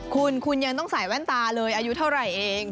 คุณคุณยังต้องใส่แว่นตาเลยอายุเท่าไหร่เอง